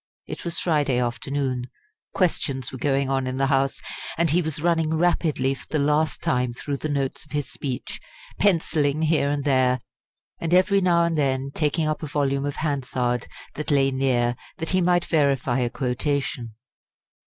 It was Friday afternoon; questions were going on in the House; and he was running rapidly for the last time through the notes of his speech, pencilling here and there, and every now and then taking up a volume of Hansard that lay near that he might verify a quotation.